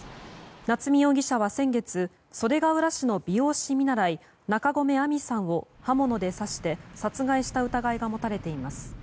夏見容疑者は先月袖ケ浦市の美容師見習中込愛美さんを刃物で刺して殺害した疑いが持たれています。